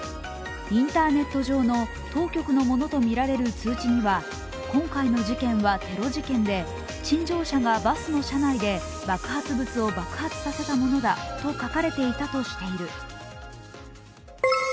インターネット上の当局のものとみられる通知には今回の事件はテロ事件で陳情者がバスの車内で爆発物を爆発したものだと書かれていたとしている。